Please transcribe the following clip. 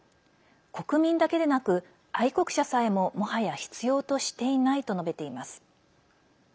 国民だけでなく愛国者さえももはや必要としていないと述べています。